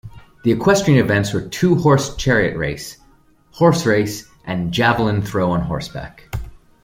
The equestrian events were two-horse chariot race, horse race, and javelin throw on horseback.